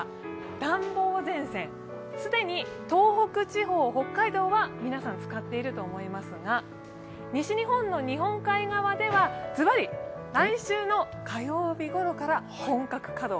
暖房前線、既に東北地方、北海道は皆さん使っていると思いますが西日本の日本海側ではズバリ、来週の火曜日頃から本格稼働。